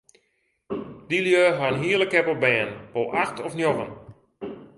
Dy lju ha in hiele keppel bern, wol acht of njoggen.